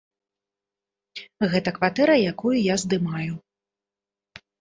Гэта кватэра, якую я здымаю.